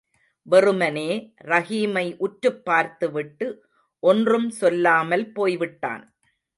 வெறுமனே ரஹீமை உற்றுப்பார்த்துவிட்டு ஒன்றும் சொல்லாமல் போய்விட்டான்.